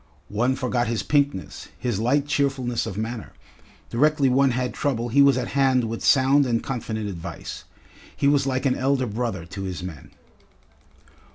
One forgot his pinkness, his light cheerfulness of manner. Directly one had trouble he was at hand with sound and confident advice. He was like an elder brother to his men.